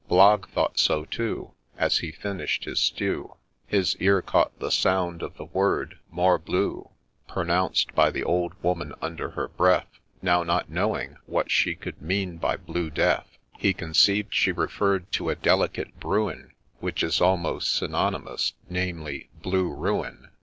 Blogg thought so too ;— As he finish'd his stew, His ear caught the sound of the word ' Morbleu I ' Pronounced by the old woman under her breath. Now, not knowing what she could mean by ' Blue Death !* He conceiv'd she referr'd to a delicate brewing Which is almost synonymous, — namely, ' Blue Ruin.'